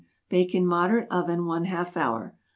Bake in moderate oven one half hour.